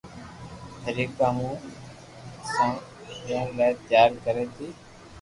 طريقي سان منهن ڏيڻ لاءِ تيار ڪري ٿي